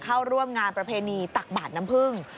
เข้าร่วมงานประเพณีตักบาดน้ำพึ่ง